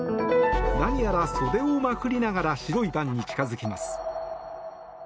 何やら袖をまくりながら白いバンに近付きます。